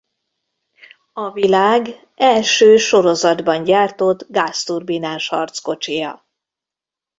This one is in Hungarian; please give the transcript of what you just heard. A világ első sorozatban gyártott gázturbinás harckocsija.